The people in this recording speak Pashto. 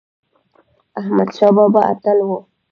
احمد شاه بابا اتل و